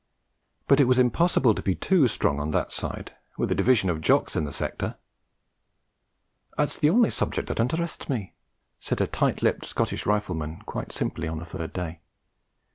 But it was impossible to be too strong on that side with a Division of Jocks in the sector! 'It's the only subject that interests me,' said a tight lipped Scottish Rifleman, quite simply, on the third day.